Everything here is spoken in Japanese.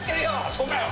そうかよ！